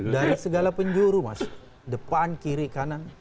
dari segala penjuru mas depan kiri kanan